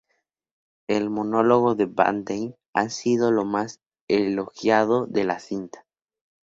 El monólogo de Van Damme ha sido lo más elogiado de la cinta.